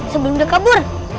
sebelum dia kabur